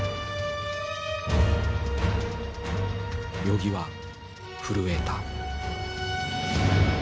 与儀は震えた。